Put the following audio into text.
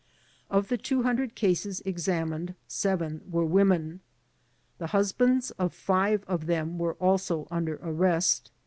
Of the 200 cases examined, 7 were women. The husbands of 5 of them were also under arrest.